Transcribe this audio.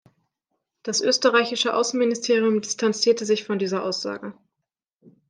Das österreichische Außenministerium distanzierte sich von dieser Aussage.